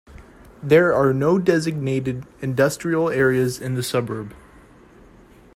There are no designated industrial areas in the suburb.